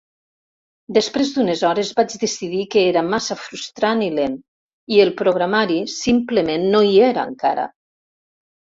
Després d'unes hores vaig decidir que era massa frustrant i lent, i el programari simplement no hi era encara.